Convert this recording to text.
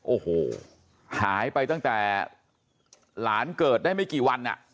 โอ้โหหายไปตั้งแต่หลานเกิดได้ไม่กี่วัน